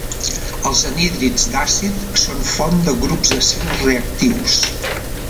Els anhídrids d'àcid són font de grups acil reactius.